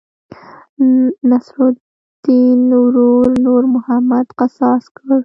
نصرالیدن ورور نور محمد قصاص کړ.